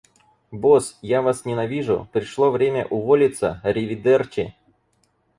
Босс, я вас ненавижу. Пришло время уволиться, аривидерчи!